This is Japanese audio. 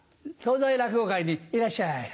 東西落語会にいらっしゃい。